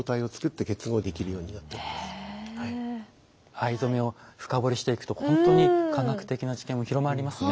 藍染めを深堀りしていくとほんとに科学的な知見も広まりますね。